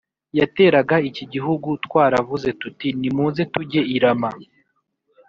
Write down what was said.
yateraga iki gihugu twaravuze tuti Nimuze tujye I rama